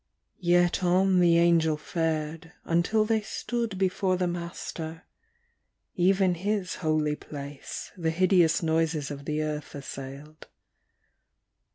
Yet on the Angel fared, until they stood Before the Master. (Even His holy place The hideous noises of the earth assailed.)